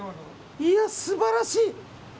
いや、素晴らしい！